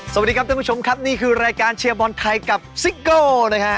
สวัสดีครับท่านผู้ชมครับนี่คือรายการเชียร์บอลไทยกับซิโก้นะฮะ